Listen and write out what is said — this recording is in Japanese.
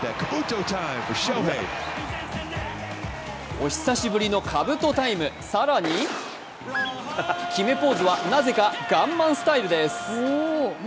お久しぶりのかぶとタイム、更に決めポーズはなぜかガンマンスタイルです。